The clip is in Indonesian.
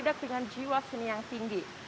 tidak dengan jiwa seni yang tinggi